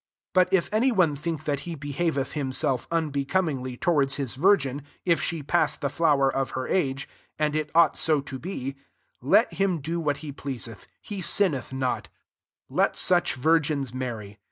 36 But if any one think that he behaveth himself unbecom ingly towards his virgin, if she pass the fiower of her age, and it ought so to be ; let him do what he pleaseth, he sinneth not: \tt 9uch virgins marry.